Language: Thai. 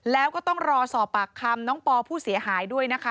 แล้วก็ต้องรอสอบปากคำน้องปอผู้เสียหายด้วยนะคะ